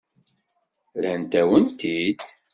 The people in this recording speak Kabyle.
Rrant-awen-t-id.